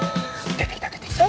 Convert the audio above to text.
出てきた出てきた。